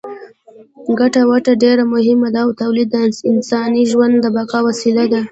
ګټه وټه ډېره مهمه ده او تولید د انساني ژوند د بقا وسیله ده.